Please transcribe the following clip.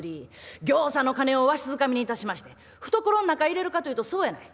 ぎょうさんの金をわしづかみにいたしまして懐ん中入れるかというとそうやない。